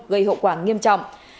gây hậu quả nghiêm trọng